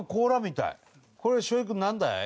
これ梢位君なんだい？